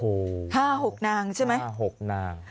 โอ้โห๕๖นางใช่ไหม๕๖นาง